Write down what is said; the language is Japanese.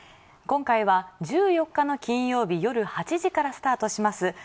今回は１４日の金曜日夜８時からスタートします